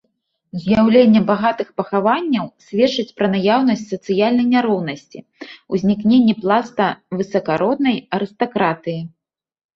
З'яўленне багатых пахаванняў сведчыць пра наяўнасць сацыяльнай няроўнасці, узнікненні пласта высакароднай арыстакратыі.